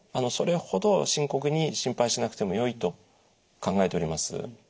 それほど深刻に心配しなくてもよいと考えております。